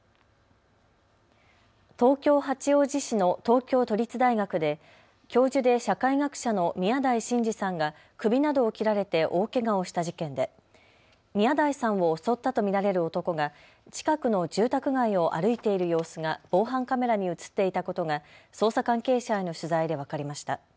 東京八王子市の東京都立大学で教授で社会学者の宮台真司さんが首などを切られて大けがをした事件で宮台さんを襲ったと見られる男が近くの住宅街を歩いている様子が防犯カメラに写っていたことが捜査関係者への取材で分かりました。